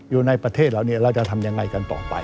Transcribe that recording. อยู่ในประเทศเหล่านี้เราจะทำยังไงกันต่อไป